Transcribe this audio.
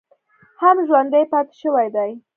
هم ژوندی پاتې شوی دی